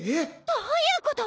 どういうこと！？